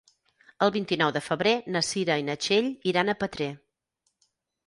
El vint-i-nou de febrer na Cira i na Txell iran a Petrer.